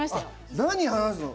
何話すの？